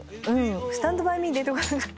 『スタンド・バイ・ミー』出てこなかった。